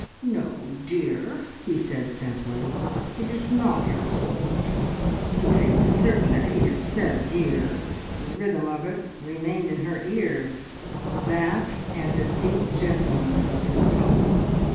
"No, dear," he said simply. "It is not your fault." Pixie was certain that he had said "dear." The rhythm of it remained in her ears, that, and the deep gentleness of his tone.